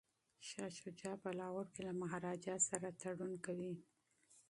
شاه شجاع په لاهور کي له مهاراجا سره تړون کوي.